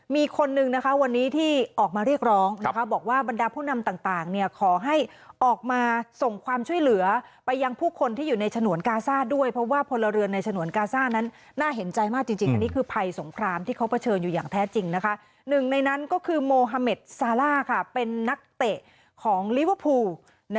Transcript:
มีคนนึงนะคะวันนี้ที่ออกมาเรียกร้องบอกว่าบรรดาผู้นำต่างขอให้ออกมาส่งความช่วยเหลือไปยังผู้คนที่อยู่ในฉนวนกาซ่าด้วยเพราะว่าพลเรือนในฉนวนกาซ่านั้นน่าเห็นใจมากจริงอันนี้คือภัยสงครามที่เขาเผชิญอยู่อย่างแท้จริงนะคะหนึ่งในนั้นก็คือโมฮาเมดซาล่าค่ะเป็นนักเตะของลิเวอร์พูล